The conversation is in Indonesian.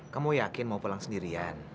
kamu yakin mau pulang sendirian